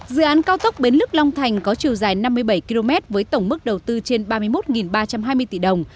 dự án cao tốc bến lức long thành có chiều dài năm mươi bảy km với tổng mức đầu tư trên ba mươi một ba trăm hai mươi tỷ đồng